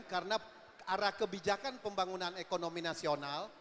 karena arah kebijakan pembangunan ekonomi nasional